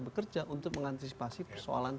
bekerja untuk mengantisipasi persoalan